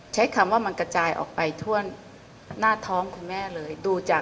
ใช้คำว่ามันกระจายออกไปทั่วหน้าท้องคุณแม่เลยดูจาก